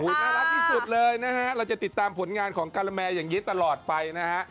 น่ารักที่สุดเลยนะฮะเราจะติดตามผลงานของการาแมอย่างนี้ตลอดไปนะฮะ